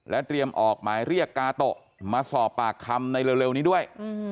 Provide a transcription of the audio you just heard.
เตรียมออกหมายเรียกกาโตะมาสอบปากคำในเร็วนี้ด้วย